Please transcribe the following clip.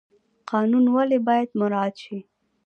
قانون ولې باید مراعات شي؟